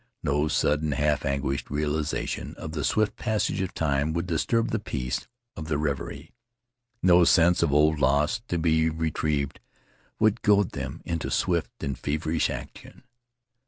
No sudden, half anguished realization of the swift passage of time would disturb the peace of their reverie; no sense of old loss to be retrieved would goad them into swift and feverish action.